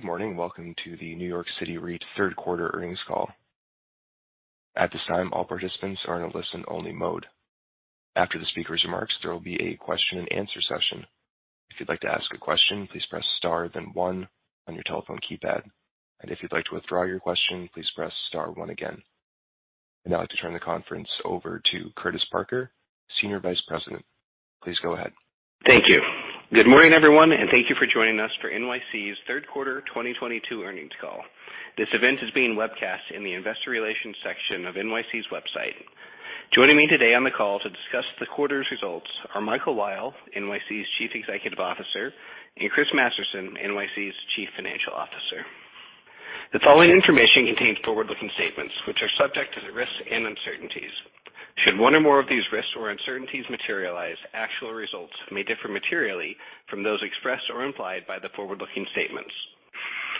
Good morning, and welcome to the New York City REIT Third Quarter earnings call. At this time, all participants are in a listen-only mode. After the speaker's remarks, there will be a question-and-answer session. If you'd like to ask a question, please press star then one on your telephone keypad. If you'd like to withdraw your question, please press star one again. I'd now like to turn the conference over to Curtis Parker, Senior Vice President. Please go ahead. Thank you. Good morning, everyone, and thank you for joining us for NYC's Third Quarter 2022 earnings call. This event is being webcast in the Investor Relations section of NYC's website. Joining me today on the call to discuss the quarter's results are Michael Weil, NYC's Chief Executive Officer, and Chris Masterson, NYC's Chief Financial Officer. The following information contains forward-looking statements which are subject to the risks and uncertainties. Should one or more of these risks or uncertainties materialize, actual results may differ materially from those expressed or implied by the forward-looking statements.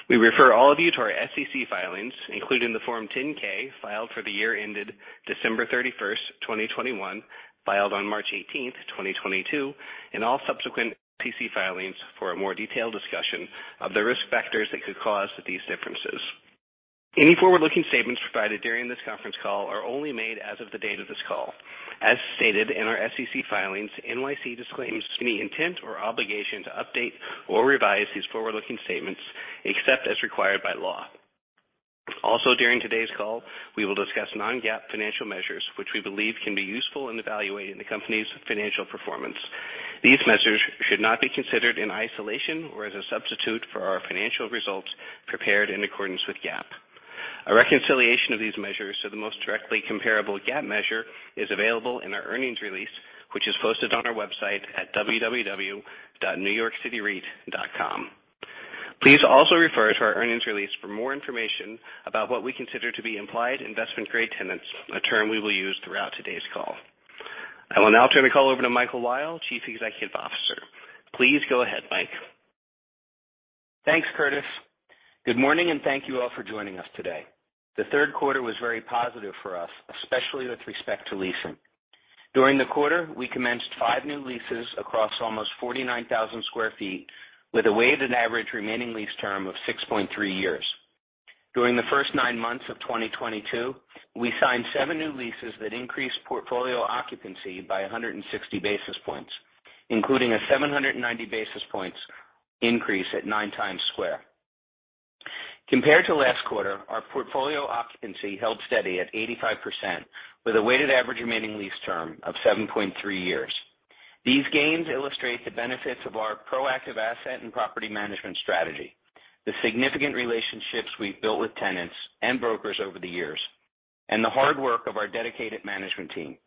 We refer all of you to our SEC filings, including the Form 10-K filed for the year ended December 31, 2021, filed on March 18, 2022, and all subsequent SEC filings for a more detailed discussion of the risk factors that could cause these differences. Any forward-looking statements provided during this conference call are only made as of the date of this call. As stated in our SEC filings, NYC disclaims any intent or obligation to update or revise these forward-looking statements except as required by law. Also, during today's call, we will discuss non-GAAP financial measures, which we believe can be useful in evaluating the company's financial performance. These measures should not be considered in isolation or as a substitute for our financial results prepared in accordance with GAAP. A reconciliation of these measures to the most directly comparable GAAP measure is available in our earnings release, which is posted on our website at www.newyorkcityreit.com. Please also refer to our earnings release for more information about what we consider to be implied investment-grade tenants, a term we will use throughout today's call. I will now turn the call over to Michael Weil, Chief Executive Officer. Please go ahead, Mike. Thanks, Curtis. Good morning, and thank you all for joining us today. The third quarter was very positive for us, especially with respect to leasing. During the quarter, we commenced five new leases across almost 49,000 sq ft with a weighted average remaining lease term of 6.3 years. During the first nine months of 2022, we signed seven new leases that increased portfolio occupancy by 160 basis points, including a 790 basis points increase at Nine Times Square. Compared to last quarter, our portfolio occupancy held steady at 85% with a weighted average remaining lease term of 7.3 years. These gains illustrate the benefits of our proactive asset and property management strategy, the significant relationships we've built with tenants and brokers over the years, and the hard work of our dedicated management team.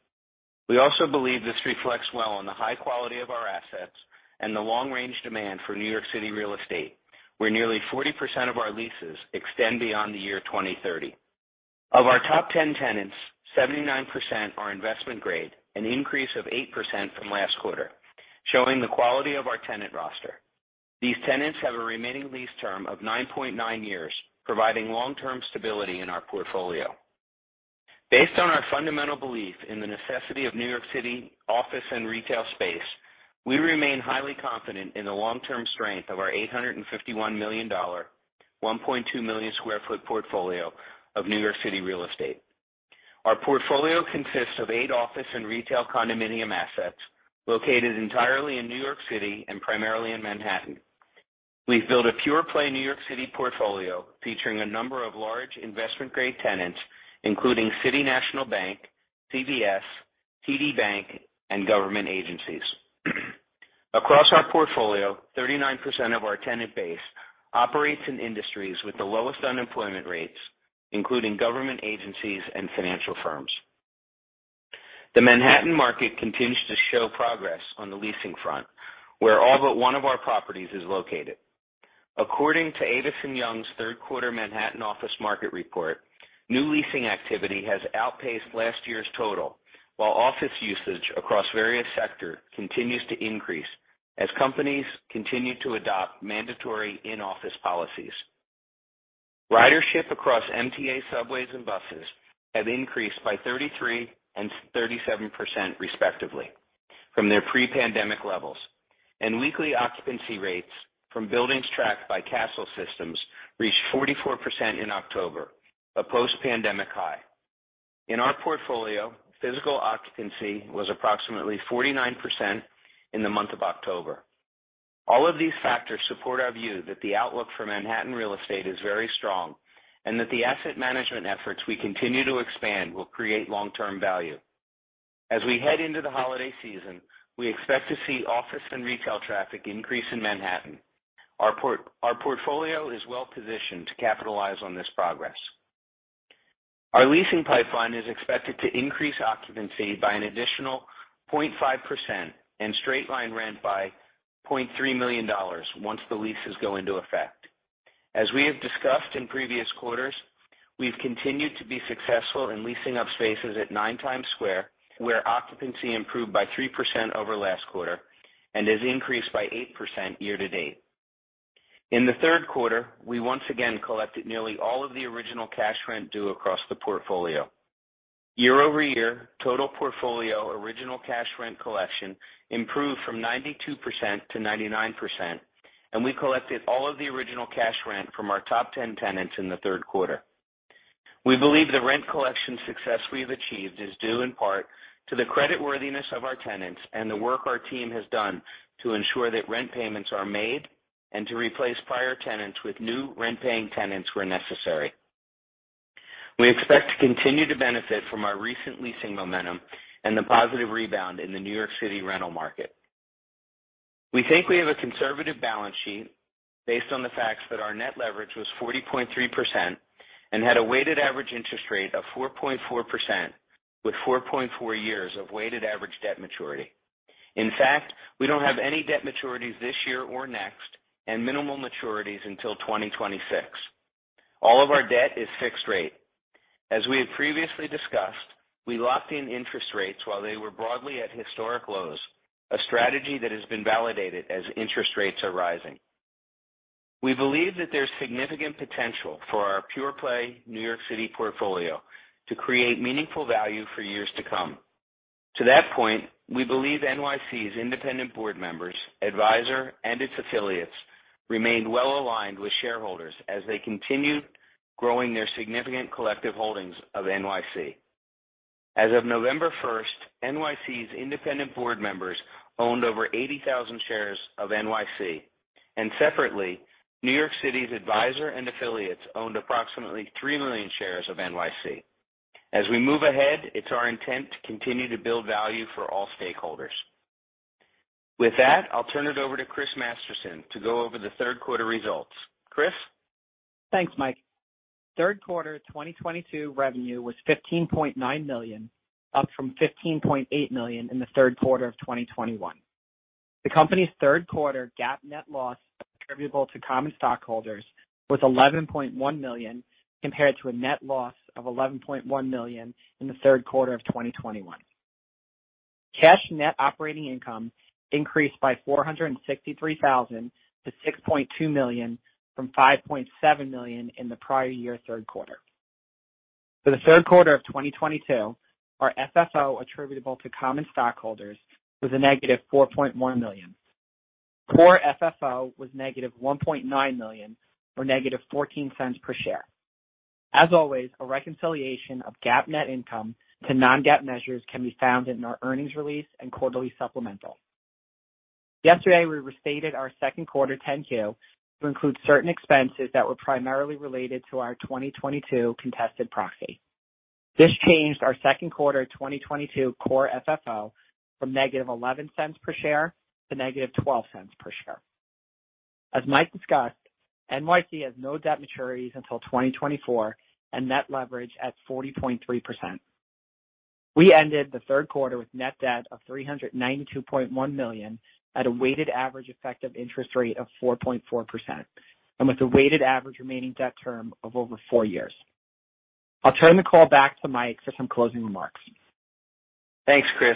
We also believe this reflects well on the high quality of our assets and the long-range demand for New York City real estate, where nearly 40% of our leases extend beyond the year 2030. Of our top 10 tenants, 79% are investment-grade, an increase of 8% from last quarter, showing the quality of our tenant roster. These tenants have a remaining lease term of 9.9 years, providing long-term stability in our portfolio. Based on our fundamental belief in the necessity of New York City office and retail space, we remain highly confident in the long-term strength of our $851 million, 1.2 million sq ft portfolio of New York City real estate. Our portfolio consists of eight office and retail condominium assets located entirely in New York City and primarily in Manhattan. We've built a pure-play New York City portfolio featuring a number of large investment-grade tenants, including City National Bank, CVS, TD Bank, and government agencies. Across our portfolio, 39% of our tenant base operates in industries with the lowest unemployment rates, including government agencies and financial firms. The Manhattan market continues to show progress on the leasing front, where all but one of our properties is located. According to Avison Young's third quarter Manhattan office market report, new leasing activity has outpaced last year's total, while office usage across various sector continues to increase as companies continue to adopt mandatory in-office policies. Ridership across MTA subways and buses have increased by 33% and 37%, respectively, from their pre-pandemic levels, and weekly occupancy rates from buildings tracked by Kastle Systems reached 44% in October, a post-pandemic high. In our portfolio, physical occupancy was approximately 49% in the month of October. All of these factors support our view that the outlook for Manhattan real estate is very strong and that the asset management efforts we continue to expand will create long-term value. As we head into the holiday season, we expect to see office and retail traffic increase in Manhattan. Our portfolio is well positioned to capitalize on this progress. Our leasing pipeline is expected to increase occupancy by an additional 0.5% and straight-line rent by $0.3 million once the leases go into effect. As we have discussed in previous quarters, we've continued to be successful in leasing up spaces at Nine Times Square, where occupancy improved by 3% over last quarter and has increased by 8% year to date. In the third quarter, we once again collected nearly all of the original cash rent due across the portfolio. Year-over-year total portfolio original cash rent collection improved from 92%-99%, and we collected all of the original cash rent from our top 10 tenants in the third quarter. We believe the rent collection success we have achieved is due in part to the creditworthiness of our tenants and the work our team has done to ensure that rent payments are made and to replace prior tenants with new rent-paying tenants where necessary. We expect to continue to benefit from our recent leasing momentum and the positive rebound in the New York City rental market. We think we have a conservative balance sheet based on the facts that our net leverage was 40.3% and had a weighted average interest rate of 4.4%, with 4.4 years of weighted average debt maturity. In fact, we don't have any debt maturities this year or next, and minimal maturities until 2026. All of our debt is fixed rate. As we have previously discussed, we locked in interest rates while they were broadly at historic lows, a strategy that has been validated as interest rates are rising. We believe that there's significant potential for our pure-play New York City portfolio to create meaningful value for years to come. To that point, we believe NYC's independent board members, advisor, and its affiliates remained well-aligned with shareholders as they continued growing their significant collective holdings of NYC. As of November first, NYC's independent board members owned over 80,000 shares of NYC. Separately, New York City REIT's advisor and affiliates owned approximately 3 million shares of NYC. As we move ahead, it's our intent to continue to build value for all stakeholders. With that, I'll turn it over to Chris Masterson to go over the third quarter results. Chris? Thanks, Mike. Third quarter 2022 revenue was $15.9 million, up from $15.8 million in the third quarter of 2021. The company's third quarter GAAP net loss attributable to common stockholders was $11.1 million, compared to a net loss of $11.1 million in the third quarter of 2021. Cash net operating income increased by $463,000-$6.2 million, from $5.7 million in the prior year third quarter. For the third quarter of 2022, our FFO attributable to common stockholders was a $-4.1 million. Core FFO was $-1.9 million or $-0.14 per share. As always, a reconciliation of GAAP net income to non-GAAP measures can be found in our earnings release and quarterly supplemental. Yesterday, we restated our second quarter 10-Q to include certain expenses that were primarily related to our 2022 contested proxy. This changed our second quarter 2022 core FFO from $-0.11 per share to $-0.12 per share. As Mike discussed, NYC has no debt maturities until 2024 and net leverage at 40.3%. We ended the third quarter with net debt of $392.1 million at a weighted average effective interest rate of 4.4%, and with a weighted average remaining debt term of over four years. I'll turn the call back to Mike for some closing remarks. Thanks, Chris.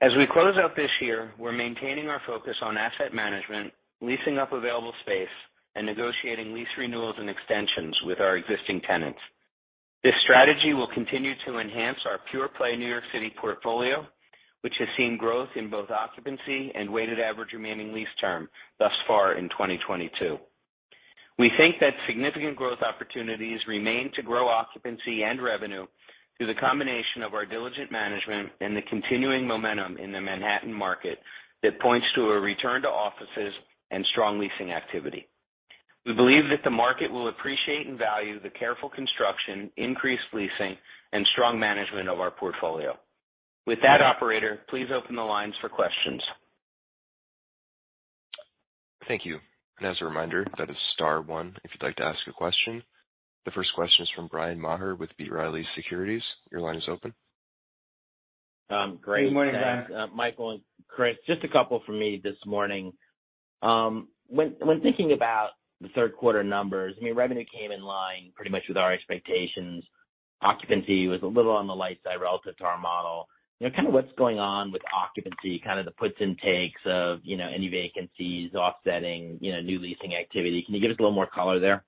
As we close out this year, we're maintaining our focus on asset management, leasing up available space, and negotiating lease renewals and extensions with our existing tenants. This strategy will continue to enhance our pure-play New York City portfolio, which has seen growth in both occupancy and weighted average remaining lease term thus far in 2022. We think that significant growth opportunities remain to grow occupancy and revenue through the combination of our diligent management and the continuing momentum in the Manhattan market that points to a return to offices and strong leasing activity. We believe that the market will appreciate and value the careful construction, increased leasing, and strong management of our portfolio. With that, operator, please open the lines for questions. Thank you. As a reminder, that is star one if you'd like to ask a question. The first question is from Bryan Maher with B. Riley Securities. Your line is open. Um, great- Good morning, Bryan. Thanks, Michael and Chris. Just a couple from me this morning. When thinking about the third quarter numbers, I mean, revenue came in line pretty much with our expectations. Occupancy was a little on the light side relative to our model. You know, kind of what's going on with occupancy, kind of the puts and takes of, you know, any vacancies offsetting, you know, new leasing activity. Can you give us a little more color there?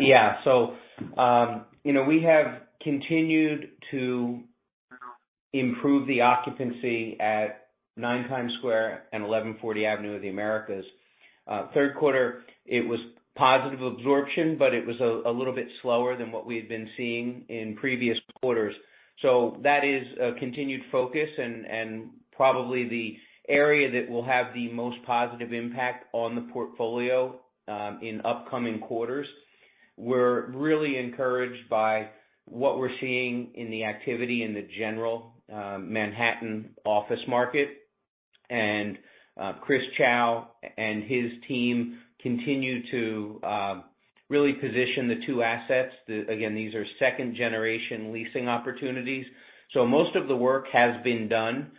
You know, we have continued to improve the occupancy at Nine Times Square and 1140 Avenue of the Americas. Third quarter, it was positive absorption, but it was a little bit slower than what we had been seeing in previous quarters. That is a continued focus and probably the area that will have the most positive impact on the portfolio in upcoming quarters. We're really encouraged by what we're seeing in the activity in the general Manhattan office market. Christopher Chao and his team continue to really position the two assets. Again, these are second-generation leasing opportunities, so most of the work has been done.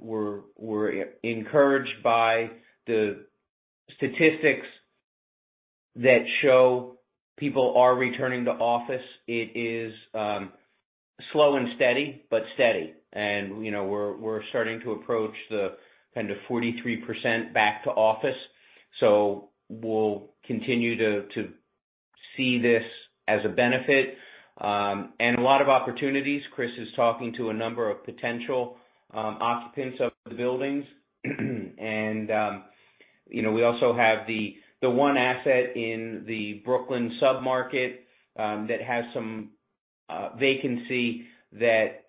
We're encouraged by the statistics that show people are returning to office. It is slow and steady, but steady. You know, we're starting to approach the kind of 43% back to office. We'll continue to see this as a benefit and a lot of opportunities. Chris is talking to a number of potential occupants of the buildings. You know, we also have the one asset in the Brooklyn sub-market that has some vacancy that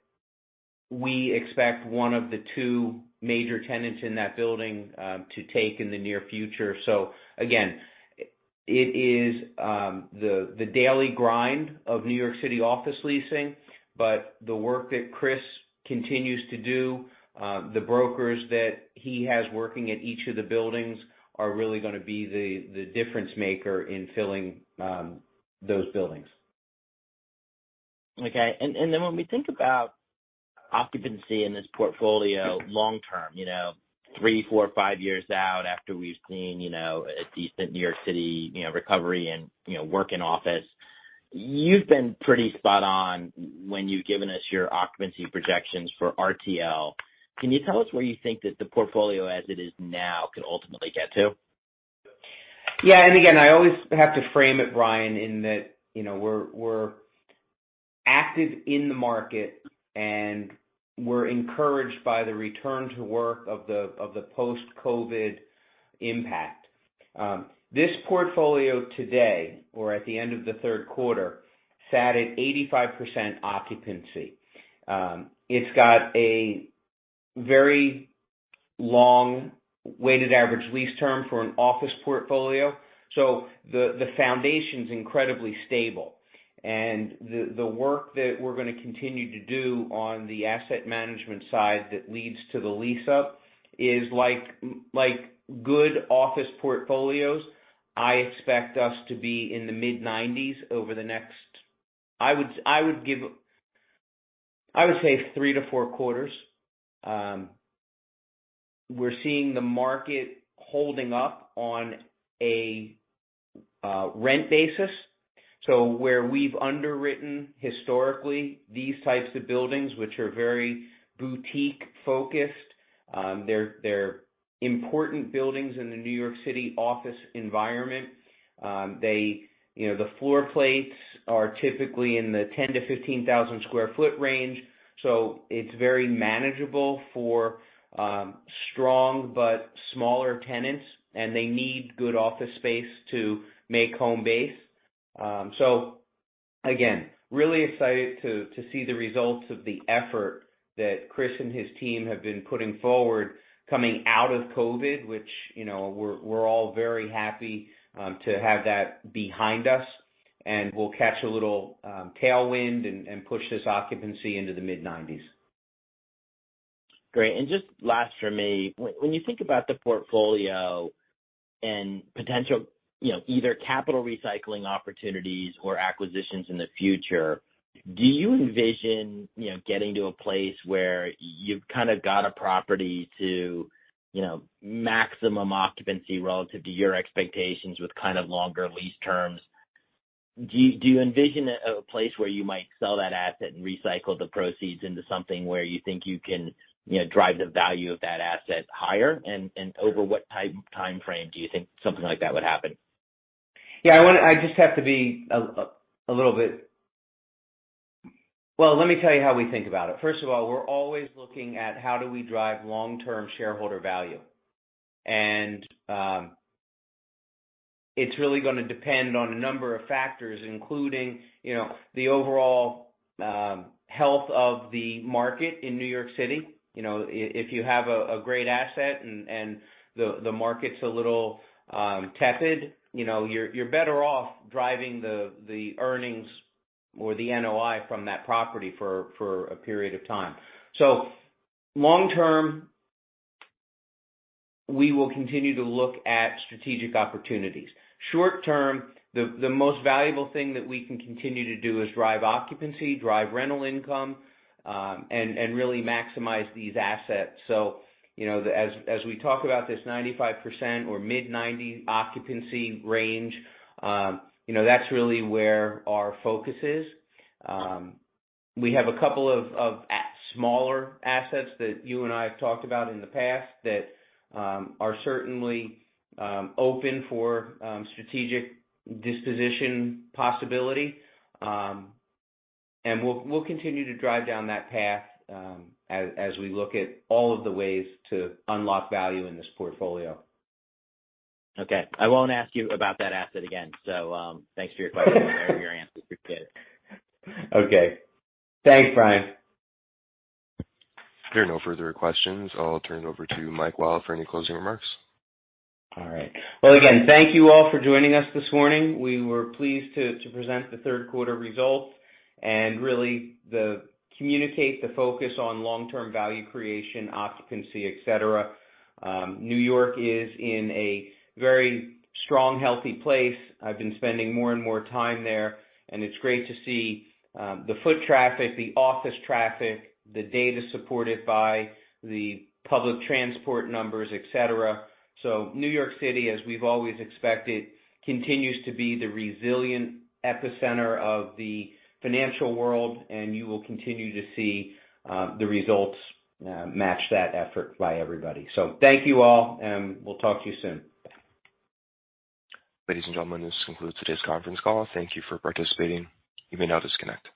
we expect one of the two major tenants in that building to take in the near future. It is the daily grind of New York City office leasing. The work that Chris continues to do, the brokers that he has working at each of the buildings are really gonna be the difference maker in filling those buildings. Okay. When we think about occupancy in this portfolio long-term, you know, three, four, five years out after we've seen, you know, a decent New York City, you know, recovery and, you know, work in office. You've been pretty spot on when you've given us your occupancy projections for RTL. Can you tell us where you think that the portfolio as it is now could ultimately get to? Yeah. Again, I always have to frame it, Bryan, in that, you know, we're active in the market, and we're encouraged by the return to work of the post-COVID impact. This portfolio today or at the end of the third quarter sat at 85% occupancy. It's got a very long weighted average lease term for an office portfolio, so the foundation's incredibly stable. The work that we're gonna continue to do on the asset management side that leads to the lease-up is like good office portfolios. I expect us to be in the mid-90s% over the next 3-4 quarters. I would say we're seeing the market holding up on a rent basis. Where we've underwritten historically these types of buildings, which are very boutique-focused, they're important buildings in the New York City office environment. You know, the floor plates are typically in the 10,000-15,000 sq ft range, so it's very manageable for strong but smaller tenants, and they need good office space to make home base. Again, really excited to see the results of the effort that Chris and his team have been putting forward coming out of COVID, which, you know, we're all very happy to have that behind us, and we'll catch a little tailwind and push this occupancy into the mid-90s%. Great. Just last for me, when you think about the portfolio and potential, you know, either capital recycling opportunities or acquisitions in the future, do you envision, you know, getting to a place where you've kind of got a property to, you know, maximum occupancy relative to your expectations with kind of longer lease terms? Do you envision a place where you might sell that asset and recycle the proceeds into something where you think you can, you know, drive the value of that asset higher? And over what timeframe do you think something like that would happen? Well, let me tell you how we think about it. First of all, we're always looking at how do we drive long-term shareholder value. It's really gonna depend on a number of factors, including, you know, the overall health of the market in New York City. You know, if you have a great asset and the market's a little tepid, you know, you're better off driving the earnings or the NOI from that property for a period of time. Long term, we will continue to look at strategic opportunities. Short term, the most valuable thing that we can continue to do is drive occupancy, drive rental income, and really maximize these assets. You know, as we talk about this 95% or mid-90s occupancy range, you know, that's really where our focus is. We have a couple of smaller assets that you and I have talked about in the past that are certainly open for strategic disposition possibility. We'll continue to drive down that path as we look at all of the ways to unlock value in this portfolio. Okay. I won't ask you about that asset again. Thanks for your question and your answer. Appreciate it. Okay. Thanks, Bryan. There are no further questions. I'll turn it over to Mike Weil for any closing remarks. All right. Well, again, thank you all for joining us this morning. We were pleased to present the third quarter results and really communicate the focus on long-term value creation, occupancy, et cetera. New York is in a very strong, healthy place. I've been spending more and more time there, and it's great to see the foot traffic, the office traffic, the data supported by the public transport numbers, et cetera. New York City, as we've always expected, continues to be the resilient epicenter of the financial world, and you will continue to see the results match that effort by everybody. Thank you all, and we'll talk to you soon. Ladies and gentlemen, this concludes today's conference call. Thank you for participating. You may now disconnect.